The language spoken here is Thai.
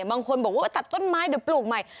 บางคนบอกว่าตัดต้นไม้เดี๋ยวปลูกใหม่